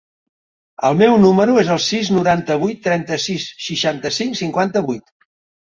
El meu número es el sis, noranta-vuit, trenta-sis, seixanta-cinc, cinquanta-vuit.